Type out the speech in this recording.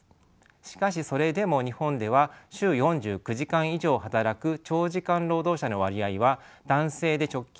しかしそれでも日本では週４９時間以上働く長時間労働者の割合は男性で直近でも２割を超えています。